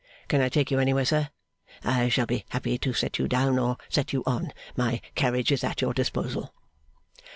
Can I take you anywhere, sir? I shall be happy to set you down, or send you on. My carriage is at your disposal.